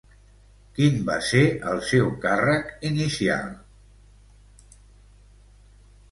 Quin va ser el seu càrrec inicial?